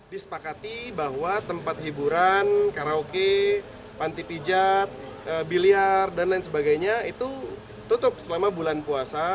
disepakati bahwa tempat hiburan karaoke panti pijat biliar dan lain sebagainya itu tutup selama bulan puasa